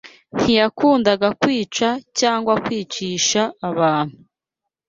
ntiyakundaga kwica cyangwa kwicisha abantu